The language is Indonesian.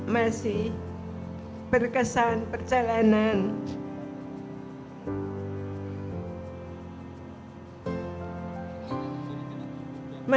masih berkesan perjalanan elemen